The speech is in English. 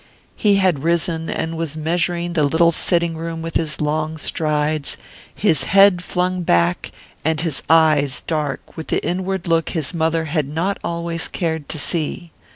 He had risen and was measuring the little sitting room with his long strides, his head flung back and his eyes dark with the inward look his mother had not always cared to see there.